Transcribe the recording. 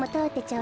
う。